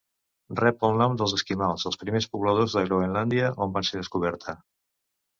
Rep el nom dels esquimals, els primers pobladors de Groenlàndia, on va ser descoberta.